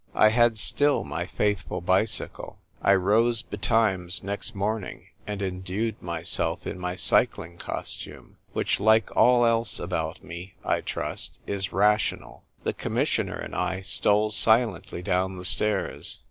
I had still my faithful bicycle. I rose be times next morning, and endued myself in my cycling costume, which, like all else about nie_(I trust), is rational. The Commissioner and I stole silently down the stairs.